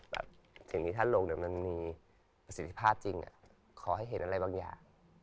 แบบถ้าโลกนี้มันมีประสิทธิภาพจริงขอให้เห็นอะไรบางอย่าง